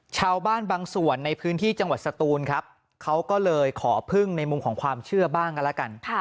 ชาวบ้านบางส่วนในพื้นที่จังหวัดสตูนครับเขาก็เลยขอพึ่งในมุมของความเชื่อบ้างกันแล้วกัน